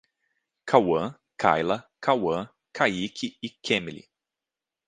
Cauam, Kaila, Kauam, Kaiky e Kemilly